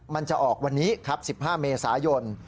มันจะออกวันนี้ครับ๑๕เมษายน